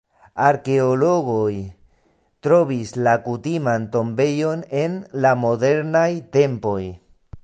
Arkeologoj trovis la kutiman tombejon en la modernaj tempoj.